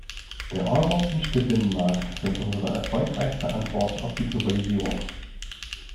Der Euro und der Binnenmarkt sind unsere erfolgreichste Antwort auf die Globalisierung.